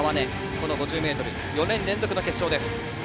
この５０ｍ、４年連続の決勝です。